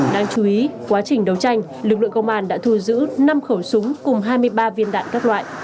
đáng chú ý quá trình đấu tranh lực lượng công an đã thu giữ năm khẩu súng cùng hai mươi ba viên đạn các loại